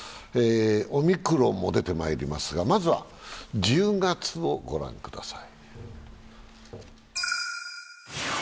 オミクロンも出てまいりますが、まずは１０月を御覧ください。